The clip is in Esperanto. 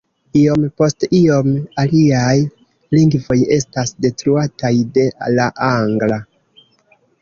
Iom post iom aliaj lingvoj estas detruataj de la angla.